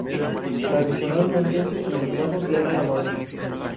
Tradicionalmente, el hilado se hace a mano.